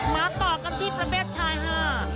มาต่อกันที่ประเภทชายห้า